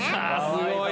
すごい！